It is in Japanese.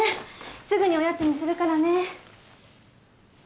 すぐにおやつにするからね。